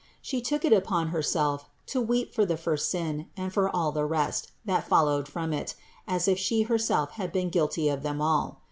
She took it upon Herself to weep for the first sin and for all the rest, that followed from it, as if She Herself had been guilty of them all.